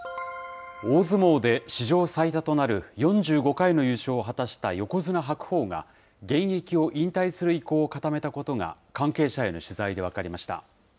大相撲で史上最多となる４５回の優勝を果たした横綱・白鵬が、現役を引退する意向を固めたことが関係者への取材で分かりました。